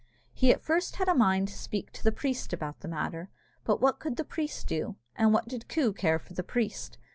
He at first had a mind to speak to the priest about the matter. But what could the priest do, and what did Coo care for the priest?